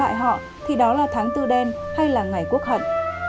khi đó là tháng tư đen hay là ngày quốc hận